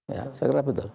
ya saya kira betul